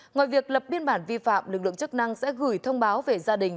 ngoài việc lập biên bản vi phạm lực lượng chức năng sẽ gửi thông báo về gia đình